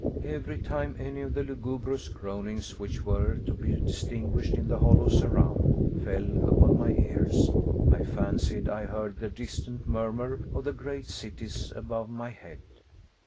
Every time any of the lugubrious groanings which were to be distinguished in the hollows around fell upon my ears, I fancied I heard the distant murmur of the great cities above my head.